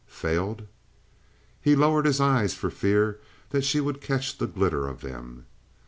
"Failed?" He lowered his eyes for fear that she would catch the glitter of them.